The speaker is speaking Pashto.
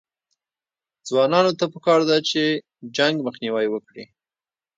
ځوانانو ته پکار ده چې، جنګ مخنیوی وکړي